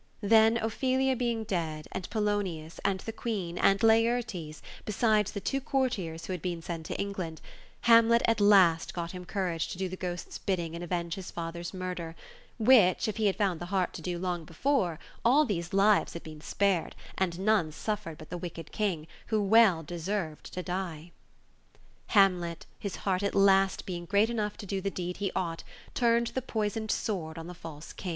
Then Ophelia being dead, and Polonius, and the Queen, and Laertes, besides the two courtiers who had been sent to England, Hamlet at last got him courage to do the ghost's bidding and avenge his father's murder — which, if he had found the heart to do long before, all these lives had been spared, and none suffered but the wicked King, who well deserved to die. Hamlet, his heart at last being great enough to do the deed he ought, turned the poisoned sword on the false King.